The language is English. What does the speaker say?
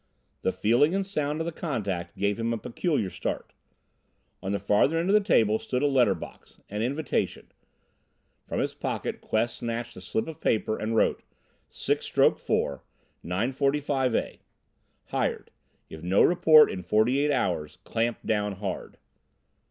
The feeling and sound of the contact gave him a peculiar start. On the farther end of the table stood a letter box an invitation. From his pocket Quest snatched a slip of paper, and wrote: 6 stroke 4 9:45A Hired. If no report in 48 hours, clamp down hard.